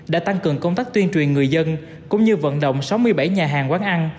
đã tăng cường công tác tuyên truyền người dân cũng như vận động sáu mươi bảy nhà hàng quán ăn